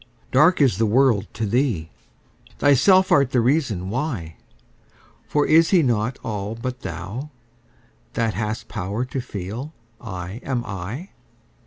Dark is the world to thee: thyself art the reason why; For is He not all but thou, that hast power to feel 'I am I'?